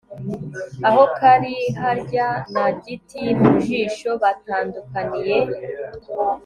aho kariharya na gitimujisho batandukaniye